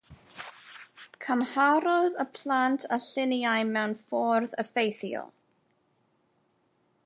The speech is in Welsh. Cymharodd y plant y lluniau mewn ffordd effeithiol.